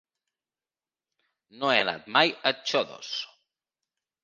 No he anat mai a Xodos.